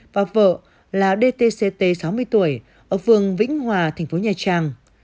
và vợ là dtct sáu mươi tuổi ở phường vĩnh hòa tp nha trang